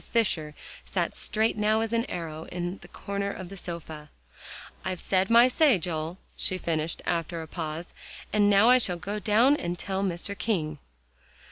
Mrs. Fisher sat straight now as an arrow in her corner of the sofa. "I've said my say, Joel," she finished after a pause, "and now I shall go down and tell Mr. King."